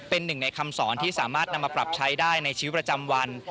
เป็นหนึ่งในคำสอนที่สามารถนำมาปรับใช้ได้ในชีวิตประจำวัน